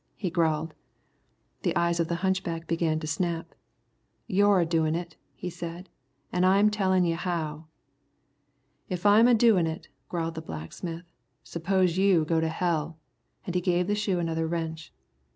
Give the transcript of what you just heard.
he growled. The eyes of the hunchback began to snap. "You're a doin' it," he said, "an' I'm tellin' you how." "If I'm a doin' it," growled the blacksmith, "suppose you go to hell." And he gave the shoe another wrench.